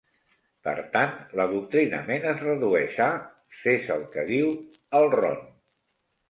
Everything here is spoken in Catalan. Per tant, l'adoctrinament es redueix a: Fes el que diu el Ron!